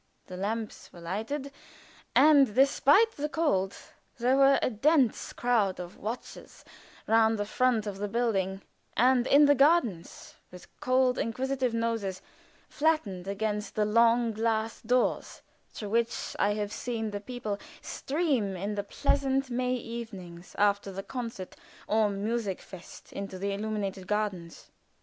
The lamps were lighted, and despite the cold there was a dense crowd of watchers round the front of the building and in the gardens, with cold, inquisitive noses flattened against the long glass doors through which I have seen the people stream in the pleasant May evenings after the concert or musikfest into the illuminated gardens.